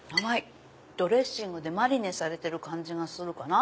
ドレッシングでマリネされてる感じがするかな。